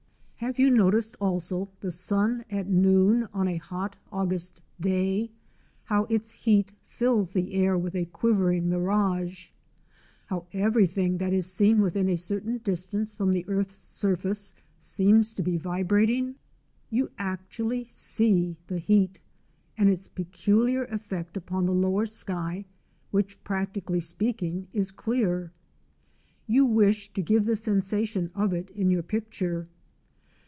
Have you noticed also the sun at noon on a hot August day, how its heat fills the air with a quivering mirage, how everything that is seen within a certain distance from the earth's surface seems to be vibrating? You actually see the heat, and its peculiar effect upon the lower sky, which, practically speaking, is clear. You wish to give the sensation of it in your picture.